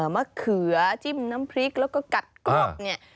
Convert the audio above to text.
มะเขือจิ้มน้ำพริกแล้วก็กัดกรอบเนี่ย